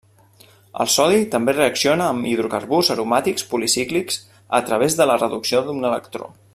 El sodi també reacciona amb hidrocarburs aromàtics policíclics a través de la reducció d'un electró.